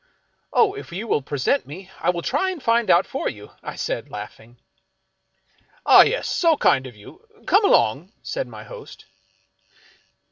" Oh, if you will present me, I will try and find out for you," said I, laughing. " Ah, yes — so kind of you — come along," said my host.